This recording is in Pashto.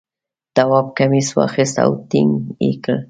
تواب کمیس واخیست او ټینګ یې کړ.